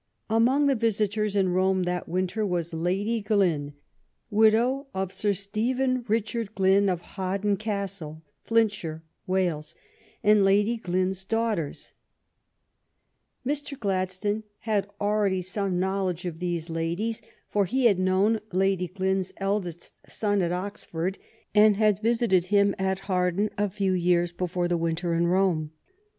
Among the visitors in Rome that winter were Lady Glynne, widow of Sir Stephen Richard Glynne, of Hawarden Castle, Flintshire, Wales, and Lady Glynne's daughters. 77 78 THE STORY OF GLADSTO \E S LIFE Mr. Gladstone had already some knowledge of these ladies, for he had known Lady Glynne's eldest son at Oxford, and had visited him at Ha wardeii a few years before tlic winter in Rome.